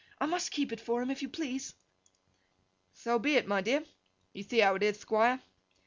I must keep it for him, if you please!' 'Tho be it, my dear. (You thee how it ith, Thquire!)